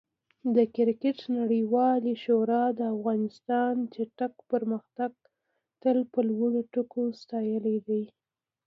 د کرکټ نړیوالې شورا د افغانستان چټک پرمختګ تل په لوړو ټکو ستایلی دی.